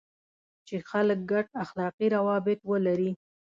چې خلک ګډ اخلاقي روابط ولري.